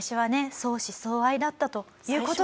相思相愛だったという事なんです。